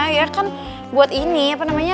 akhirnya kan buat ini apa namanya